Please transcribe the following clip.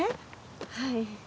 はい。